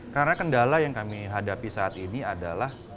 karena kendala yang kami hadapi saat ini adalah